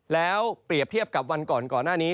แล้วเปรียบเทียบกับวันก่อนก่อนหน้านี้